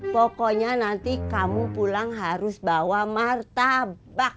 pokoknya nanti kamu pulang harus bawa martabak